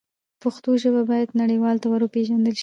پښتو ژبه باید نړیوالو ته ور وپیژندل سي.